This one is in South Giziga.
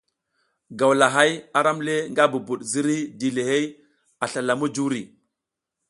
Gawlahay aram le nga bubud ziriy dilihey a slala mujuri.